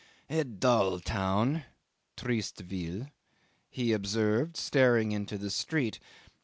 "A dull town (triste ville)," he observed, staring into the street.